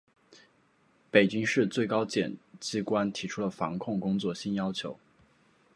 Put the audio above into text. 北京市、最高检机关提出了防控工作新要求